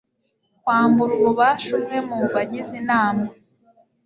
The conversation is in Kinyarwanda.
kwambura ububasha umwe mu bagize inama